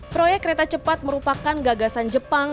proyek kereta cepat merupakan gagasan jepang